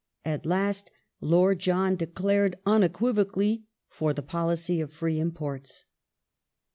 At last Lord John declared unequivocally for the policy of free imports.